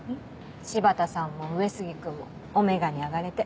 柴田さんも上杉君もΩに上がれて。